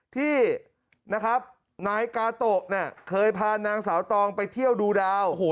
ที่นะครับนายกาโตะเคยพานางสาวตองไปเที่ยวดูดาว